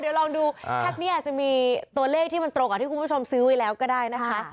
เดี๋ยวลองดูแท็กนี้อาจจะมีตัวเลขที่มันตรงกับที่คุณผู้ชมซื้อไว้แล้วก็ได้นะคะ